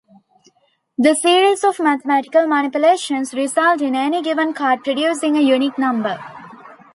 The series of mathematical manipulations results in any given card producing a unique number.